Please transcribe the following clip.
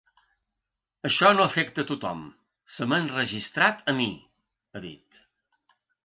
Això no afecta tothom, se m’ha enregistrat a mi, ha dit.